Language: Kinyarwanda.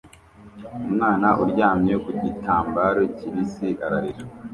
Umwana uryamye ku gitambaro kibisi ararira